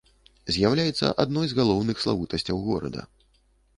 З'яўляецца адной з галоўных славутасцяў горада.